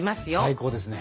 最高ですね。